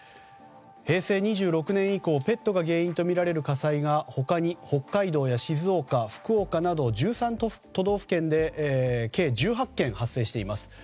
平成２６年以降ペットが原因とみられる火災が他に北海道や静岡福岡など１３都道府県で計１８件発生しています。